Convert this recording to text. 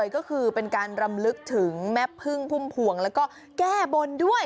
ก็คือเป็นการรำลึกถึงแม่พึ่งพุ่มพวงแล้วก็แก้บนด้วย